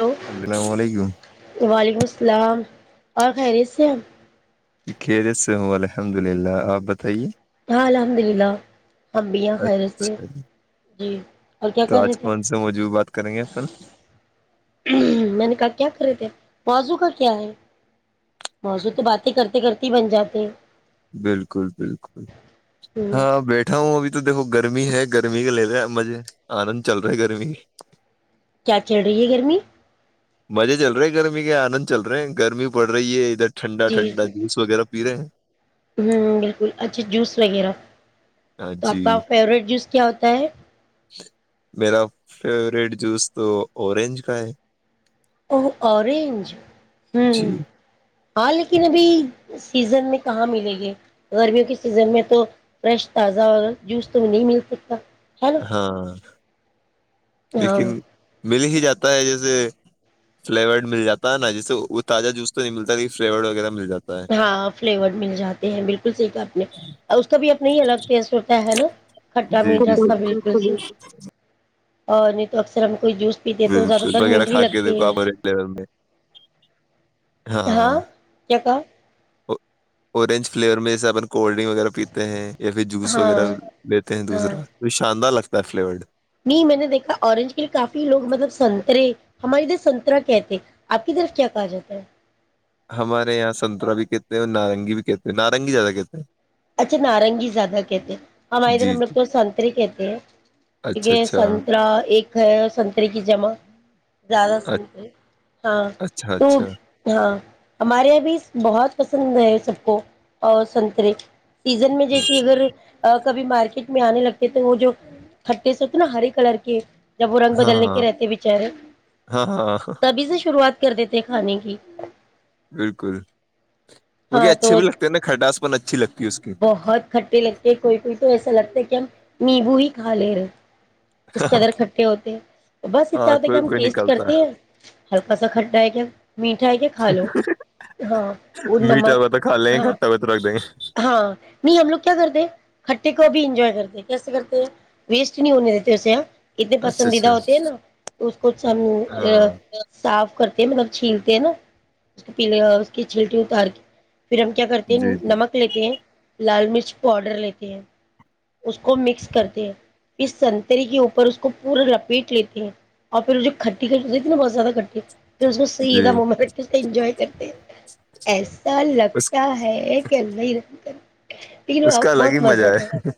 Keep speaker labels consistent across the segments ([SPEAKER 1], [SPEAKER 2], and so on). [SPEAKER 1] Hello
[SPEAKER 2] السلام علیکم
[SPEAKER 1] وعلیکم السلام اور خیریت سے
[SPEAKER 2] خیرت سے ہوں الحمد للہ آپ بتائیے
[SPEAKER 1] ہاں الحمد للہ ہم بھی یہ خیر سے
[SPEAKER 2] اچھا جی،
[SPEAKER 1] جی اور کیا
[SPEAKER 2] تو
[SPEAKER 1] کر رہے
[SPEAKER 2] آج
[SPEAKER 1] تھے
[SPEAKER 2] کون سے موضوع بات کریں گے اپن
[SPEAKER 1] میں نے کہا کیا کرے تھے بازو کا کیا ہے ہ سو تو باتیں کرتے کرتے بن جاتی
[SPEAKER 2] بالکل بالکل
[SPEAKER 1] ہمم
[SPEAKER 2] ہاں بیٹھا ہوں ابھی تو دیکو گرمی ہے گرمی کے ل رہا مجزے آنند چل رہا ہے گرمی
[SPEAKER 1] کیا چل رہی ہے گرمی
[SPEAKER 2] مزے چل رہے گرمی کے آنند چل رہے ہیں گرمی پڑ رہی ہے ادھر ٹھڈا ٹھنڈا جوس وغیرہ پی رہے ہیں
[SPEAKER 1] ہ بالکل اچھا جوس وغیرہ
[SPEAKER 2] ہاں
[SPEAKER 1] تو
[SPEAKER 2] جی
[SPEAKER 1] آپ کا فیوریٹ جوس کیا ہوتا ہے
[SPEAKER 2] میرا فیوریٹ جوس تو اورینج کا ہے
[SPEAKER 1] ا اوروریننج ہوں
[SPEAKER 2] جی
[SPEAKER 1] ہاں لیکن ابھی سیزن میں کہاں ملیںے گے گرمیوں کے سیزن میں تو فریش تازہ جوس تو نہیں مل سکتا ہے نا
[SPEAKER 2] ہاں
[SPEAKER 1] ہاں
[SPEAKER 2] لیکن مل ہی جاتا ہے جیسے فلیورڈ مل جاتا ہے نا جیسے وہ تازہ جوس تو نہیں ملتا فلیورڈ وغیرہ مل جاتا ہے
[SPEAKER 1] ہاں فلیورڈ مل جاتے ہیں بالکل صحی کا اپنے اس کا بھی اپنا ہی الگ ٹیسٹ ہوتا ہے نا کھٹا
[SPEAKER 2] جی
[SPEAKER 1] میٹ
[SPEAKER 2] جی
[SPEAKER 1] راستہ بالکل صحی اور نہیں تو اکثر کوئی جوس پیتے تو زیادہ
[SPEAKER 2] بالکل
[SPEAKER 1] تر
[SPEAKER 2] وغیرہ
[SPEAKER 1] میینٹ ہی
[SPEAKER 2] کھا کے
[SPEAKER 1] لگتے
[SPEAKER 2] دیکھو
[SPEAKER 1] ہیں
[SPEAKER 2] آپ اورنج فلیور میں
[SPEAKER 1] ہاں کیا کہ
[SPEAKER 2] اورنج فلیور میں جسا اپن کولڈ ڈرنک وغیرہ پیتے ہیں یا پھر جوس
[SPEAKER 1] ہاں
[SPEAKER 2] وغیرہ لیتے ہیں
[SPEAKER 1] ہاں
[SPEAKER 2] دوسرا تو شاندار لگتا ہے د فلیورڈ
[SPEAKER 1] نہیں میں نے دیکھا اورنج کے لیے کافی لوگ مطلب سنترے ہمارے ادھر سنترا کہتے آپ کی طرف کیا کہا جاتا ہے
[SPEAKER 2] ہمارے یہاں سنترا بھی کہتے ہیں اور نارنگی بھی کہتے ہیں نارنگی زیادہ کہتے ہیں
[SPEAKER 1] اچھا نارنگی زیادہ کہتے ہیں ہمارے ادھر
[SPEAKER 2] جی
[SPEAKER 1] ہم لوگ
[SPEAKER 2] جی
[SPEAKER 1] کو سنترے کہتے ہیں
[SPEAKER 2] اچھا
[SPEAKER 1] کیونکہ
[SPEAKER 2] اچھا
[SPEAKER 1] سنترا ایک ہے سنترے کی جمع زیادہ سنترے ہاں
[SPEAKER 2] اچھا
[SPEAKER 1] تو
[SPEAKER 2] اچھا
[SPEAKER 1] ہاں ہمارے یہاں بھی بہت پسند ہے سب کو اور سنترے سیزن میں جیسی اگر کبھی مارکیٹ میں آنے لگتے تو وہ جو کھٹے سے ہوتے نا ہرے کلر کے جب وہ رنگ
[SPEAKER 2] ہاں
[SPEAKER 1] بدلنے کے
[SPEAKER 2] ہاں
[SPEAKER 1] رہتے بچارے
[SPEAKER 2] ہاں ہاں
[SPEAKER 1] تبھی سے شروعات کر دیتے ہیں کھانے کی
[SPEAKER 2] بالکل وہ کہ
[SPEAKER 1] ہاں تو
[SPEAKER 2] اچھے بھی لگتے ہیں نا کھٹاس پن اچھی لگتی ہے اس کی
[SPEAKER 1] بہت کھٹے لگتے ہیں کوئی کوئی تو ایسا لگتا ہے کہ ہم نیبو ہی کھ لے رہ اس قدر کھٹے ہوتے ہیں تو بس اتنا
[SPEAKER 2] ہاں
[SPEAKER 1] ہوتا کہ
[SPEAKER 2] کوئی
[SPEAKER 1] ہم
[SPEAKER 2] کوئی
[SPEAKER 1] ٹیسٹ
[SPEAKER 2] نکلتا
[SPEAKER 1] کرتے ہیں ہلکا سا کھٹٹا ہے کہ میٹھ ہے کہ کھا لو ہاں
[SPEAKER 2] ہے میٹھا
[SPEAKER 1] نمک
[SPEAKER 2] ہوا تو کھا لیں گے
[SPEAKER 1] ہاں
[SPEAKER 2] کھٹا ہوا تو رکھ دیں گے
[SPEAKER 1] ہاں نہیں ہم لوگ کیا کرتے ہٹٹے کو اب انجوائے کرتے کیسے کرتے ہیں ویسٹ نہیں ہونے دیتے اسے اتنے
[SPEAKER 2] اچھا
[SPEAKER 1] پسندیدہ ہوتے
[SPEAKER 2] اچھا
[SPEAKER 1] ہیں نا اس کو س
[SPEAKER 2] ہاں
[SPEAKER 1] صاف کرتے ہیں مطلب چھیلتے ہیں نا اس کے پیلے اس کی چھیلتی [inaudible] پھر ہم کیا کرتے ہیں
[SPEAKER 2] جی جی
[SPEAKER 1] نمک لیتے ہیں لال مرچ پاؤڈر لیتے ہیں اس کو مکس کرتے ہیں پھر سنتری کے اوپر اس کو پورا لپیٹ لیتے ہیں اور پھر وہ جو کھٹی ک اتنی بہت زیادہ کھٹی پھر اس سی
[SPEAKER 2] جی
[SPEAKER 1] کا موومنٹے انجوائے کرتے ایسا
[SPEAKER 2] اس
[SPEAKER 1] لگتا ہے کہ اللہ رن کر
[SPEAKER 2] اس کا الگ ہی مزہ ہے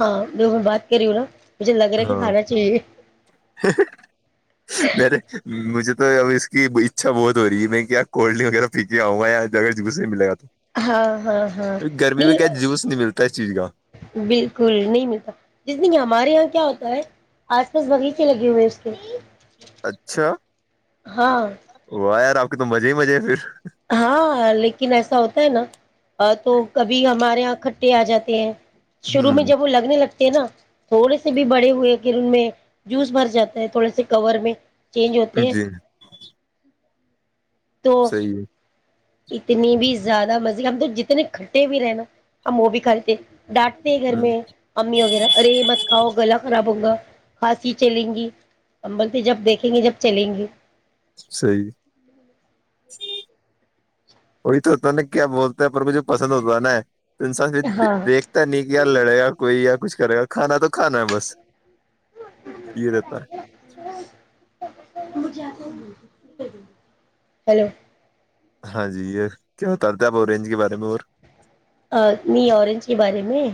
[SPEAKER 1] ہاں دو میں بات کری ہو نا مجھے لگ رہا ہے کہ
[SPEAKER 2] ہاں
[SPEAKER 1] کھانا چاہیے
[SPEAKER 2] مے مجھے تو اب اس کی اچھا بہت ہو رہی ہے میں کولڈ ڈرنک وغیرہ پی کے آؤںا یا جہ جسے ملےا
[SPEAKER 1] ہاں ہاں ہاں نہیں
[SPEAKER 2] کیا جوس نہیں ملتا اس چیز کا
[SPEAKER 1] بالکل نہیں ملتا جت کہ ہمارے یہاں کیا ہوتا ہے آس پاس باغیچے لگے ہوئے ہیں اس کے لیے
[SPEAKER 2] اچھا
[SPEAKER 1] ہاں
[SPEAKER 2] ور آپ ایک تو مزے ہی مزے ہے پھر
[SPEAKER 1] ہاں لیکن ایسا ہوتا ہے نا تو کبھی ہمارے یہاں کھٹے آ جاتے ہیں شروع میں جب
[SPEAKER 2] ہ
[SPEAKER 1] وہ لگنے لگتا نا تھوڑے سے بھی بڑے ہوئے کہ ان میں جوس بھر جاتا ہے تھوڑے سے کور میں چینج ہوتے ہیں
[SPEAKER 2] جی
[SPEAKER 1] تو
[SPEAKER 2] صحیح ہے
[SPEAKER 1] اتنی بھی زیادہ مزے ہم تو جتنے کھٹے بھی رہے نا ہم وہ بھی کھے تھے ڈانٹتے گھر
[SPEAKER 2] ہے ہ
[SPEAKER 1] میں امی وغیرہ ارے بت کاؤ گلا خراب ہوگا کھانسی چلیں گی امبل پ جب دیکھیں گے جب چلیں گے
[SPEAKER 2] صی وہی تو ہوتا ن کیا بولتا ہیں پر مجھے پسند ہوتا ہے نا تو ان سا
[SPEAKER 1] ہاں
[SPEAKER 2] دیکھتا نہیں کیا لڑے گا کوئی یا کچھ کرے گا کھانا تو کھانا ہے بس یہ رہتا
[SPEAKER 1] مجھے ایسا [inaudible] ہیلو
[SPEAKER 2] ہاں جی یہ کیا بتاتے آپ اینج کے بارے میں اور
[SPEAKER 1] می اورنج کے بارے میں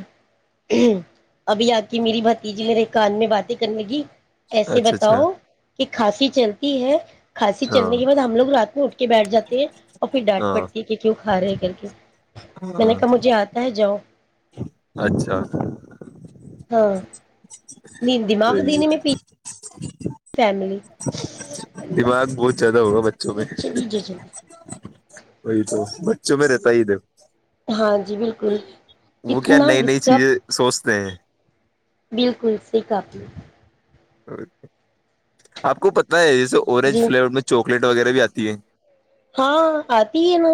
[SPEAKER 1] ابھی آک میری بھتیجی نے رے کان میں باتیں کرنےگ ایسے
[SPEAKER 2] اچھا اچھا
[SPEAKER 1] بتاؤ کہ کھانسی چلتی ہے کھانسی
[SPEAKER 2] ہاں
[SPEAKER 1] چلنے کے بعد ہم لوگ رات میں اٹھ کے بیٹھ جاتے ہیں اور پھر ڈانٹ
[SPEAKER 2] ہاں
[SPEAKER 1] پڑتی ہے کہ کی کا رہے کر کے میں نے
[SPEAKER 2] ہاں
[SPEAKER 1] کہا مجھے آتا ہے جاؤ
[SPEAKER 2] اچھا
[SPEAKER 1] ہاں دماغ دینےی میں پی
[SPEAKER 2] ج [unintelligible] دماغ بہت زیادہ ہوگا بچ
[SPEAKER 1] ا چ نجے چل
[SPEAKER 2] وہی تو بچوں میں رہتا ہی د
[SPEAKER 1] ہاں جی بالکل
[SPEAKER 2] وہ کیا
[SPEAKER 1] اتنا
[SPEAKER 2] نئی نئی
[SPEAKER 1] ڈسٹرب
[SPEAKER 2] چیزیں سوچ پ [inaudible]
[SPEAKER 1] بالکل س کاپل
[SPEAKER 2] آپ کو پت ہے اس اوررینج
[SPEAKER 1] جی
[SPEAKER 2] فلیور میں چاکلیٹ وغیرہ بھی آتی ہے
[SPEAKER 1] ہاں آتی ہے نا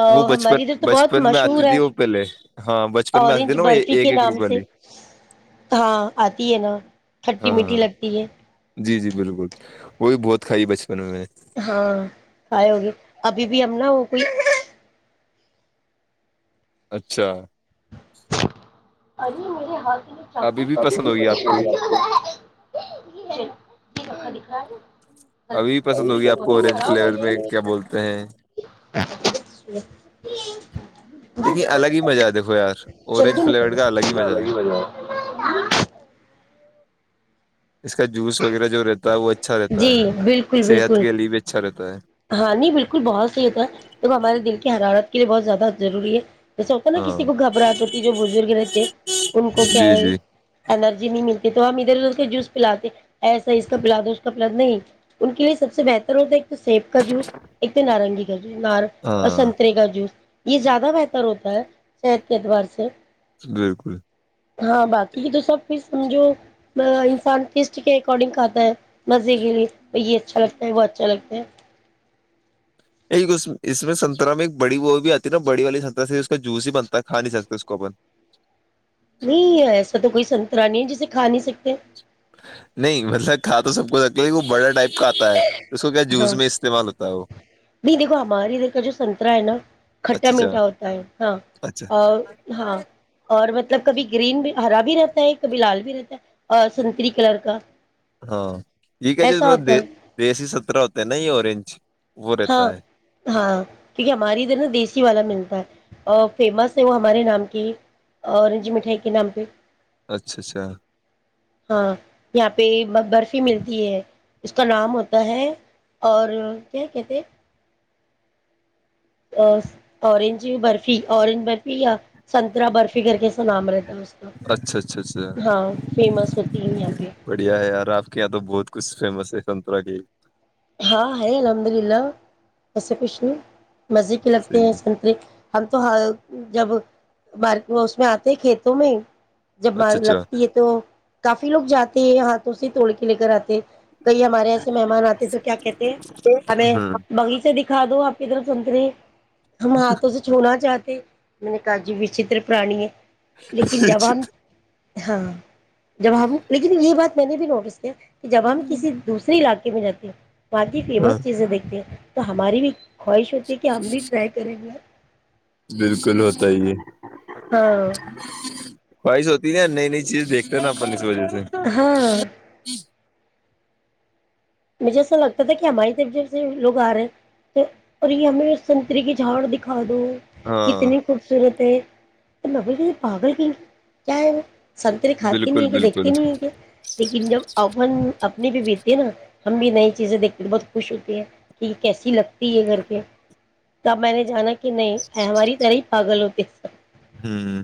[SPEAKER 1] ا
[SPEAKER 2] وہ بچپن
[SPEAKER 1] ہماری ادھر تو بہت
[SPEAKER 2] بچپن میں
[SPEAKER 1] مشہور
[SPEAKER 2] آتی
[SPEAKER 1] ہے
[SPEAKER 2] تھی وہ پہلے ہاں بچپن میں آتی
[SPEAKER 1] اورینج
[SPEAKER 2] تھی نا وہ ایک
[SPEAKER 1] برفی کے
[SPEAKER 2] ایک
[SPEAKER 1] نام
[SPEAKER 2] روپے
[SPEAKER 1] سے
[SPEAKER 2] والی
[SPEAKER 1] ہاں آتی ہے نا کھٹی
[SPEAKER 2] ہاں
[SPEAKER 1] میٹھی
[SPEAKER 2] ہاں
[SPEAKER 1] لگتی ہے
[SPEAKER 2] جی جی بالکل وہ بھی بہت کھائی بچ
[SPEAKER 1] ہاں کھائے ہوگی ابھی بھی ہم نہ ہو کوئی
[SPEAKER 2] اچھا
[SPEAKER 1] ارے
[SPEAKER 2] ابھی بھی پسند ہوگی
[SPEAKER 1] میرے
[SPEAKER 2] آپ کو
[SPEAKER 1] ہات ہے جار
[SPEAKER 2] ابھی بھی پسند ہوگی آپ کو اورنج فلیور میں کیا بولتے ہیں
[SPEAKER 1] [inaudible]
[SPEAKER 2] لیکن الگ ہی مزہ ہے دھو یار اورورنج فلیور کا الگ ہی مزہ ہے
[SPEAKER 1] [unintelligible]
[SPEAKER 2] اس کا جوس وغیرہ جو رہتا ہے وہ اچھا رہتا
[SPEAKER 1] جی
[SPEAKER 2] ہے
[SPEAKER 1] بالکل
[SPEAKER 2] صحت
[SPEAKER 1] بالکل
[SPEAKER 2] کے لیے بھی اچھا رہتا ہے
[SPEAKER 1] ہاں نہیں بالکل بہت صحیح ہوتا ہے تو وہ ہمارے دل کی حرارت کے لیے بہت زیادہ ضروری ہے جسا ہوتا نا کسی
[SPEAKER 2] ہاں
[SPEAKER 1] کو گھبراہٹ ہو کہ جو بزرگ رہتے ان کو کیا
[SPEAKER 2] جی
[SPEAKER 1] ہے
[SPEAKER 2] جی
[SPEAKER 1] انرجی نہیں ملتی تو ہم ادھر ادھر کے جوس پلاتے ایسا ہی اس کا پلاد اس کا پلاد نہیں ان کے لیے سب سے بہتر ہوتا ہے ایک تو سیب کا جوس ایک دن نارنگی دار
[SPEAKER 2] ہاں
[SPEAKER 1] سنترے کا جوس یہ زیادہ بہتر ہوتا ہے شہت کے اعتبار سے
[SPEAKER 2] بالکل [unintelligible]
[SPEAKER 1] ہاں باقی تو سب پھر سمجھو انسان کس کے اکارڈنگ کھا ہے مزے کے لیے یہ اچھا لگتا ہے وہ اچھا لگتا ہے
[SPEAKER 2] ایک اس میں سنترا میں ایک بڑی وہ بھی آتی ہے نا بڑی والی سنترا سے اس کا جوس ہی بنتا ہے کا نہیں سکتا اس کو اپن
[SPEAKER 1] نہیں ایسا تو کوئی سن انی جسے کھا نہیں سکتے
[SPEAKER 2] نہیں مطلب کھا تو سب کو رک وہ بڑا ٹائپ کا آتا ہے اس کو کیا جوس
[SPEAKER 1] ہاں
[SPEAKER 2] میں استعمال ہوتا ہے وہ
[SPEAKER 1] نہیں دیکھو ہمارے ادھر کا جو سنترا ہے نا کھٹا
[SPEAKER 2] اچھا اچھا
[SPEAKER 1] میٹھا ہوتا ہے ہاں
[SPEAKER 2] اچھا
[SPEAKER 1] اور ہاں اور مطلب کبھی گرین بھی ہرا بھی رہتا ہے ایک بلال بھی رہتا ہے اور سنتری کلر کا ایسا ہوتا ہے
[SPEAKER 2] [unintelligible] دیسی سترہ ہوتا ہے نا یہ اورورنج
[SPEAKER 1] ہاں ہاں کیونکہ ہماری ادھر نا دیسی والا ملتا ہے فیمس ہے وہ ہمارے نام کی اورنج مٹھائی کے نام پہ
[SPEAKER 2] اچھا اچھا
[SPEAKER 1] ہاں یہاں پہ برفی ملتی ہے اس کا نام ہوتا ہے اور کیا کہتے ا اورنج برفی اورنج برفی یا سنترا برفی کر کے س نام رہتا ہے اس کا
[SPEAKER 2] اچھا اچھا اچھا
[SPEAKER 1] ہاں فیمس ہوتی ہے یہاں پہ
[SPEAKER 2] بڑھیا ہے یار آپ کے یہاں تو بہت کچھ فیمس ہے سنتر کی
[SPEAKER 1] ہاں ہر الحمد للہ کیسے کھ نہیں مزے پ لگتے ہیں
[SPEAKER 2] صحیح
[SPEAKER 1] سنترے ہم تو جبارک اس میں آتے کھیتوں میں ہی جب مار
[SPEAKER 2] اچھا اچھا
[SPEAKER 1] لگتی ہے تو کافی کافی لوگ جاتے ہیں ہاتھوں سے توڑ کے لے کر آتے ہیں تو یہ ہمارے ایسے مہمان آتے تھے کہتے ہمیں بغلی سے دکھا دو آپ کی طرف سنتری ہم ہاتھوں سے چھونا چاہ [unintelligible] چاہتے میں نے کہا جی وچتر پرانی ہے لیکن زبان [unintelligible] ہاں جابو لیکن یہ بات میں نے بھی نوٹس کیا کہ جب ہم کسی دوسر علاقے کی میں جاتتی باقی
[SPEAKER 2] ہ
[SPEAKER 1] فیمس چیزیں دیکھتے ہیں تو ہماری بھی خواہش ہوتی کہ ہم بھی ٹرائی کریں گا
[SPEAKER 2] بالکل ہوتا ہی ہے
[SPEAKER 1] ہاں
[SPEAKER 2] ہ خواہش ہوتی ہے نئی نئی چیز دیکھتے نا اپ اس وجہ سے
[SPEAKER 1] ہاں مجھے ایسا لگتا تھا کہ ہماری طب جیب سے لوگ آ رہے ہیں تو اور یہ ہمیں سنتری کی جھاڑ دکھا دو
[SPEAKER 2] ہاں
[SPEAKER 1] کتنی خوبصورت ہے تو مبل جی پاگل کیئی کیا ہے وہ سنتریے کھاتے نہیں
[SPEAKER 2] بالکل
[SPEAKER 1] ہے کہ
[SPEAKER 2] بالکل
[SPEAKER 1] دیکھتے نہیں ہے کہ لیکن جب اوون اپنی بھی بیتی ہے نا ہم بھی نئی چیزیں دیکھتے بہت خوش ہوتی ہیں کہ یہ کیسی لگتی ہے گھر پہ تب میں نے جانا کہ نہیں ہماری طرح پاگل ہوتے اچھا
[SPEAKER 2] ہاں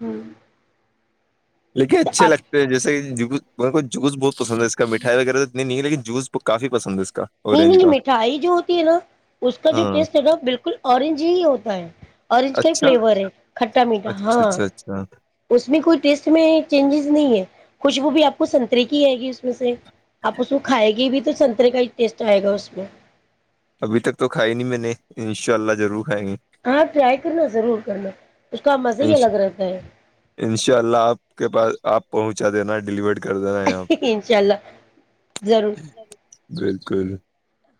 [SPEAKER 1] ہوں
[SPEAKER 2] لیکن اچھے لگتے ہیں جیسے کہ جوس بہت پسند ہے اس کا مٹھائی وغیرہ ات نہیں ہے لیکن جوس کاف پسند ہے اس کا
[SPEAKER 1] نہیں
[SPEAKER 2] اورینج
[SPEAKER 1] نہیں یہ
[SPEAKER 2] کا
[SPEAKER 1] مٹھائی جو ہوتی ہے نا اس کا جو
[SPEAKER 2] ہاں
[SPEAKER 1] ٹیسٹ ہےگا بالکل اورنج ہی ہو پرائم اورنج کا
[SPEAKER 2] اچھا
[SPEAKER 1] فلیور ہے کھٹا میٹھا
[SPEAKER 2] اچھا
[SPEAKER 1] ہاں
[SPEAKER 2] اچھا اچھا
[SPEAKER 1] اس میں کوئی ٹیسٹ میں چینجز نہیں ہے خوشبو بھی آپ کو سنترے کی ہےئے گی اس میں سے آپ اس کو کھائے گی بھی تو تو سنترے کا ہی ٹیسٹ آئے گا اس میں
[SPEAKER 2] ابھی تک تو کھائی نہیں میں نے ان شاء اللہ ضرور کھائیں گے
[SPEAKER 1] ہاں ٹرائی کر لو ضرور کر لو
[SPEAKER 2] انشاء اللہ آپ کے پاس آپ پہنچا دینا ڈیلیور
[SPEAKER 1] انشاء اللہ ضرور
[SPEAKER 2] بالکل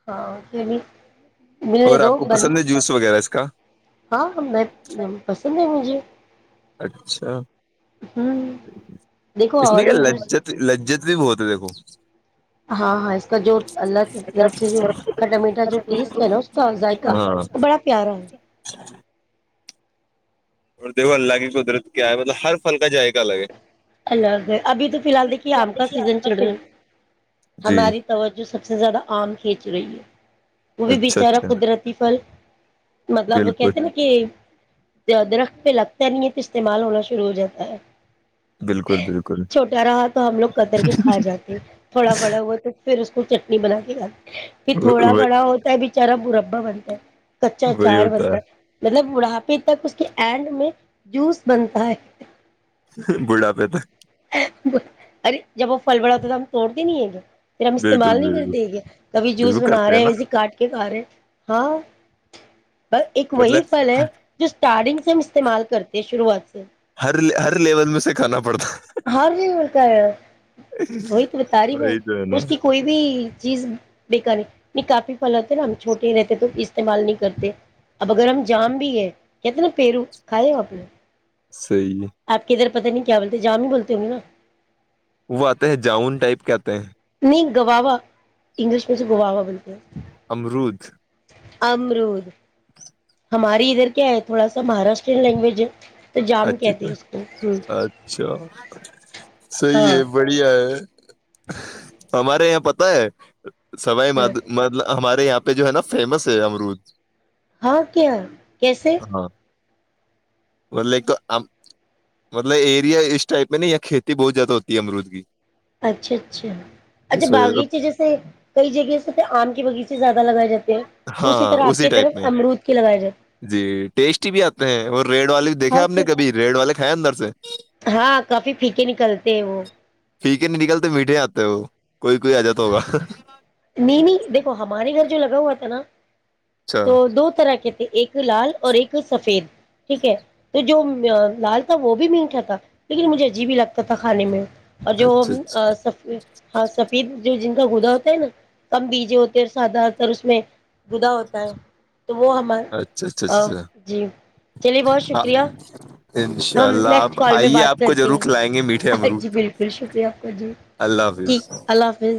[SPEAKER 1] ہاں ملنے
[SPEAKER 2] اور آپ
[SPEAKER 1] دو
[SPEAKER 2] کو
[SPEAKER 1] برم
[SPEAKER 2] پسند ہے جوس وغیرہ اس کا
[SPEAKER 1] ہاں پسند ہے مجھے
[SPEAKER 2] اچھا
[SPEAKER 1] ہوں دیکھو
[SPEAKER 2] اس میں کیا
[SPEAKER 1] اورنج جوس
[SPEAKER 2] لجت لجت بھی بہت ہے دیکھو [unintelligible] [unintelligible]
[SPEAKER 1] ہاں ہاں اس کا جو اللہ کی طرف سے جو کاٹمیٹا جو ٹیسٹ ہے نا اس [unintelligible] کا ذائقا
[SPEAKER 2] ہاں
[SPEAKER 1] وہ
[SPEAKER 2] اور
[SPEAKER 1] بڑا پیارا ہے
[SPEAKER 2] [inaudible] اور دیکھو اللہ کی قدرت کیا ہے مطلب ہر فھل کا جائےق الگ ہے
[SPEAKER 1] الگ ہے ابھی تو فی الحال دیکھیے آم کا سیزن چل رہا
[SPEAKER 2] جی
[SPEAKER 1] ہماری توجہ سب [unintelligible] سب سے زیادہ آم کھینچ رہی ہے وہ بھی
[SPEAKER 2] اچھا
[SPEAKER 1] بیچارا
[SPEAKER 2] اچھا
[SPEAKER 1] قدرتی فل مطلب
[SPEAKER 2] بالکل
[SPEAKER 1] کہتے ہیں نا کہ درخت پہ لگتا نہیں ہے تو استعمال ہونا شروع ہو جاتا ہے
[SPEAKER 2] بالکل بالکل
[SPEAKER 1] چھوٹا رہا تو ہم لوگ قدر کے کھا جاتے تھوڑا بڑا ہوا تو پھر اس کو چٹنی بنا کے آپ [unintelligible] کہ تھوڑا بڑا ہوتا ہے بچارا برا ابا بنتے ہے [unintelligible] کچا
[SPEAKER 2] وہی
[SPEAKER 1] اار
[SPEAKER 2] ہوتا
[SPEAKER 1] بنتا
[SPEAKER 2] ہے
[SPEAKER 1] مطلب [unintelligible] بڑھاپے تک اس کے اینڈ میں جوس بنتا ہے [unintelligible]
[SPEAKER 2] بڑا پہ تک
[SPEAKER 1] ارے جب وہ پھل بڑا ہوتا ہے تو ہم توڑتے نہیں ہیںے [unintelligible] پھر ہم
[SPEAKER 2] بالکل
[SPEAKER 1] استعمال نہیں کر
[SPEAKER 2] بالکل
[SPEAKER 1] دیں گے کبھی جوس
[SPEAKER 2] بالکل
[SPEAKER 1] بنا
[SPEAKER 2] کرتے
[SPEAKER 1] رہے ہیں
[SPEAKER 2] نا
[SPEAKER 1] ویسے کاٹ کے کھا رہے ہیں ہاں [unintelligible] پر ایک وہی
[SPEAKER 2] مطلب
[SPEAKER 1] فل ہے جو اسٹارڈنگ سے ہم استعمال کرتے ہیں شروعات سے
[SPEAKER 2] ہر ہر لیول میں سکھاناڑ
[SPEAKER 1] ہار نہیں مڑکا وہی تو بتا رہی
[SPEAKER 2] ہے۔
[SPEAKER 1] میں
[SPEAKER 2] وہی تو ہے
[SPEAKER 1] اس
[SPEAKER 2] نا
[SPEAKER 1] کی کوئی بھی چیز بیک نہیں نہیں کافی پل آتے نا ہم چھٹے ہی رہتے تو استعمال نہیں کرتے اب اگر ہم جام بھی ہے کہتے نا پیرو کھائے ہو اپنے
[SPEAKER 2] صحی ہے
[SPEAKER 1] پتا نہیں کیا بولتے جام بھی بولتے ہو گے نا
[SPEAKER 2] وہ آتے ہیں جاؤن ٹائپ کے آتے ہیں
[SPEAKER 1] نہیں گواہوا انگلش میں سے گواہوا بنتے ہیں
[SPEAKER 2] امرود
[SPEAKER 1] امرود ہماری ادھر کیا ہے تھوڑا سا مہاراشٹرین لینگویج ہے تو جام
[SPEAKER 2] اچھا
[SPEAKER 1] کہتے ہیں اس کو ہوں
[SPEAKER 2] اچھا صحیح
[SPEAKER 1] ہاں
[SPEAKER 2] ہے بڑھیا ہے ہمارے یہاں پت ہے سبائی
[SPEAKER 1] ہاں
[SPEAKER 2] مطلب ہمارے یہاں پہ جو ہے نا فیمس ہے امرود
[SPEAKER 1] ہاں کیا کیسے
[SPEAKER 2] ہاں مطلب ایک تو مطلب ایریا اس ٹائپ میں نہیں کھیتی بہت زیادہ ہوتی ہے امرود کی
[SPEAKER 1] اچھا اچھا اچھا
[SPEAKER 2] اس وجہ سے
[SPEAKER 1] باغیچے جیسے کئی جگہ جے آم کے باغیچے زیادہ لگائے جاتے ہیں
[SPEAKER 2] ہاں ہاں
[SPEAKER 1] طرح آپ
[SPEAKER 2] اسی
[SPEAKER 1] کی
[SPEAKER 2] ٹائپ
[SPEAKER 1] طرف
[SPEAKER 2] میں
[SPEAKER 1] امرود کے لگائے جاتے
[SPEAKER 2] جی ٹیسٹی بھی آتے ہیں اور ریڈ والے
[SPEAKER 1] ہیں؟
[SPEAKER 2] دیکھے
[SPEAKER 1] ہاں
[SPEAKER 2] آپ نے
[SPEAKER 1] کیا
[SPEAKER 2] کبھی ریڈ والے کھائے اندر سے
[SPEAKER 1] ہاں کافی پھیکے نکلتے ہیں وہ
[SPEAKER 2] پھ کے نہیں نکلتے میٹھے آتے وہ کوئی کوئی آ جاتا ہوگا
[SPEAKER 1] نہیں نہیں دیکھو ہمارے گھر جو لگا ہوا تھا نا
[SPEAKER 2] اچھا
[SPEAKER 1] تو دو طرح کے ایک ایک لال اور ایک سفید ٹھیک ہے تو جو لال تھا وہ بھی میٹھا تھا لیکن مجھے عجیب ہی لگتا تھا کھانے میں اور جو
[SPEAKER 2] اچھا اچھا
[SPEAKER 1] ہاں سب پ جو جن کا گدا ہوتا ہے نا کم بیجے ہوتے ہیں سدہ تر اس میں گدا ہوتا ہے تو وہ ہمار
[SPEAKER 2] اچھا اچھا
[SPEAKER 1] جی چلیے بہت
[SPEAKER 2] اچھا
[SPEAKER 1] شکریہ
[SPEAKER 2] ان شاء
[SPEAKER 1] ہم
[SPEAKER 2] اللہ
[SPEAKER 1] نیکسٹ
[SPEAKER 2] آپ
[SPEAKER 1] کال میں
[SPEAKER 2] آئیے
[SPEAKER 1] بات
[SPEAKER 2] آپ کو
[SPEAKER 1] کرتے
[SPEAKER 2] ضرور کھلائیں گے میٹھے
[SPEAKER 1] ہیں جی
[SPEAKER 2] امرود
[SPEAKER 1] بالکل شکریہ آپ کا جی
[SPEAKER 2] اللہ
[SPEAKER 1] ٹھیک
[SPEAKER 2] حافظ
[SPEAKER 1] اللہ حافظ